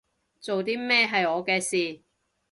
做啲咩係我嘅事